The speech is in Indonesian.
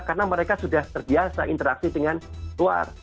karena mereka sudah terbiasa interaksi dengan luar